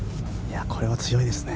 これは強いですね。